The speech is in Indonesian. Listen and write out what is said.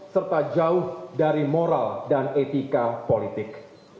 serta jauh dari moral dan etika politik